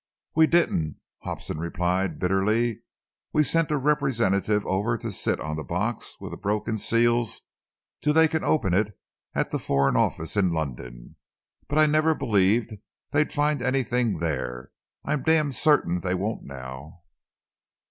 "We didn't," Hobson replied bitterly. "We've sent a representative over to sit on the box with the broken seals till they can open it at the Foreign Office in London, but I never believed they'd find anything there. I'm damned certain they won't now!"